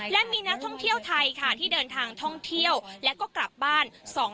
และมีนักท่องเที่ยวไทยค่ะที่เดินทางท่องเที่ยวและก็กลับบ้าน